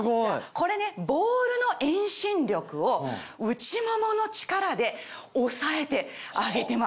これねボールの遠心力を内ももの力で抑えてあげてます。